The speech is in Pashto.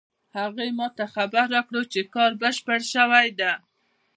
هغې ما ته خبر راکړ چې کار بشپړ شوی ده